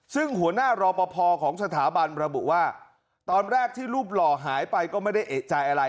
ซึ่งหัวหน้ารอปภของสถาบันระบุว่าตอนแรกที่รูปหล่อหายไปก็ไม่ได้เอกใจอะไร